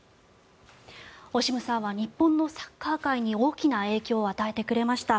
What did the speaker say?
オシムさんは日本のサッカー界に大きな影響を与えてくれました。